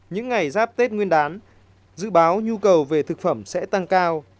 những ngày giáp tết nguyên đán dự báo nhu cầu về thực phẩm sẽ tăng cao